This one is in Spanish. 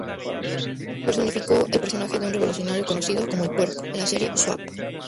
Personificó al personaje de un revolucionario conocido como "El Puerco" en la serie "Soap.